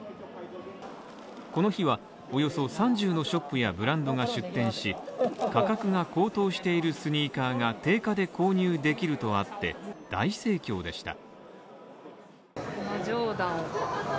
この日はおよそ３０のショップやブランドが出店し、価格が高騰しているスニーカーが定価で購入できるとあって、大盛況でした。